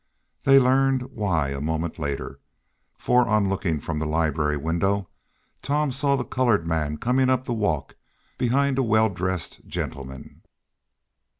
They learned why a moment later, for on looking from the library window, Tom saw the colored man coming up the walk behind a well dressed gentleman.